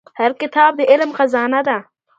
هر کتاب د علم خزانه ده.